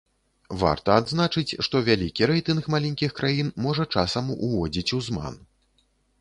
Варта адзначыць, што вялікі рэйтынг маленькіх краін можа часам уводзіць у зман.